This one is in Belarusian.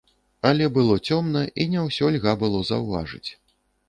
Але было цёмна, і не ўсё льга было заўважыць.